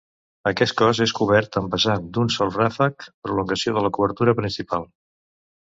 Aquest cos és cobert amb vessant d'un sol ràfec, prolongació de la cobertura principal.